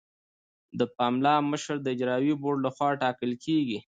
د پملا مشر د اجرایوي بورډ لخوا ټاکل کیږي.